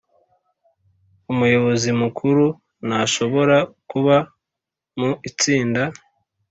umuyobozi mukuru ntashobora kuba mu itsinda